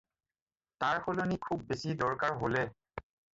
তাৰ সলনি খুব বেছি দৰকাৰ হ'লে।